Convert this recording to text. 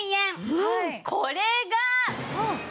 これが。